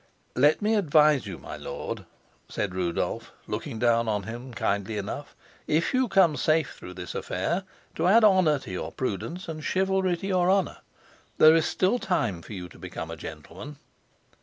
"Let me advise you, my lord," said Rudolf, looking down on him kindly enough, "if you come safe through this affair, to add honor to your prudence, and chivalry to your honor. There is still time for you to become a gentleman."